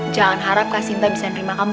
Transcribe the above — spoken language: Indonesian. jangan harap kasinta bisa nerima kamu